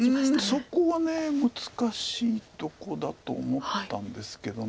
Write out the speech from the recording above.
そこは難しいとこだと思ったんですけど。